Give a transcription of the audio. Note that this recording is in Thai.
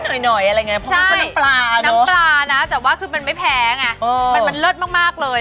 เพราะว่าน้ำปลาเนอะใช่น้ำปลานะแต่ว่ามันไม่แพ้ไงมันเลิศมากเลย